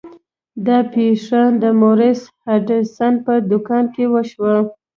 دا پیښه د مورس هډسن په دکان کې وشوه.